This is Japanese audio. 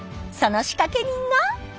その仕掛け人が？